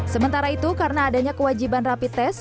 sementara itu karena adanya kewajiban rapi tes